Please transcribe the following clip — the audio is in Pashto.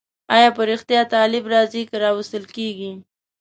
آیا په رښتیا طالب راځي که راوستل کېږي؟